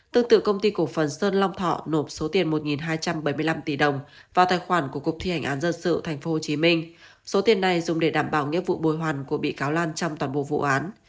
tương tự công ty cổ phần sơn long thọ nộp số tiền một hai trăm bảy mươi năm tỷ đồng vào tài khoản của cục thi hành án dân sự tp hcm số tiền này dùng để đảm bảo nghĩa vụ bồi hoàn của bị cáo lan trong toàn bộ vụ án